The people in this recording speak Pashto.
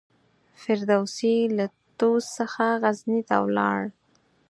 فردوسي له طوس څخه غزني ته ولاړ.